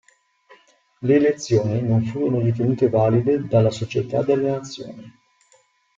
Le elezioni non furono ritenute valide dalla Società delle Nazioni.